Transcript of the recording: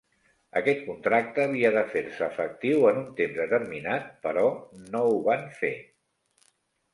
Aquest contracte havia de fer-se efectiu en un temps determinat, però no ho van fer.